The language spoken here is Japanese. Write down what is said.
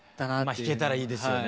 弾けたらいいですよね。